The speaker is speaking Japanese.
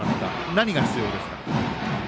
何が必要ですか？